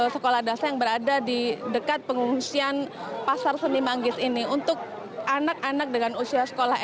sekolah dasar yang berada di dekat pengungsian pasar seni manggis ini untuk anak anak dengan usia sekolah